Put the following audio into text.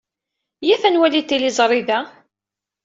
Iyyat ad nwali tiliẓri da.